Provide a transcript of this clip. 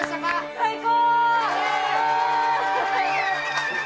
最高！